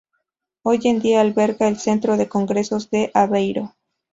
Hoy en día alberga el Centro de Congresos de Aveiro.